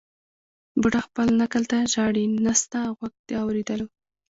بوډا خپل نکل ته ژاړي نسته غوږ د اورېدلو